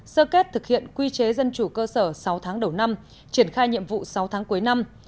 sơ kết thực hiện quy chế dân chủ cơ sở sáu tháng đầu năm triển khai nhiệm vụ sáu tháng cuối năm